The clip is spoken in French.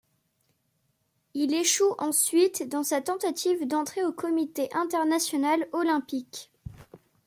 Il échoue ensuite dans sa tentative d'entrer au Comité international olympique.